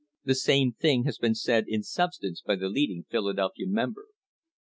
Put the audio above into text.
The same thing has been said in substance by the leading Philadelphia member."